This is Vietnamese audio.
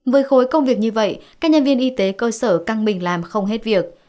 với khối công việc như vậy các nhân viên y tế cơ sở căng mình làm không hết việc